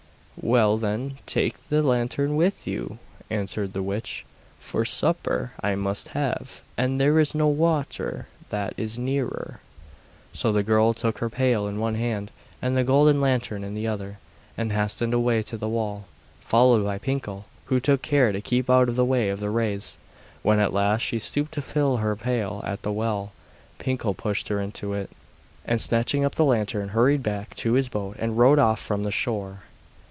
'Well, then, take the lantern with you,' answered the witch, 'for supper I must have, and there is no water that is nearer.' So the girl took her pail in one hand and the golden lantern in the other, and hastened away to the well, followed by Pinkel, who took care to keep out of the way of the rays. When at last she stooped to fill her pail at the well Pinkel pushed her into it, and snatching up the lantern hurried back to his boat and rowed off from the shore.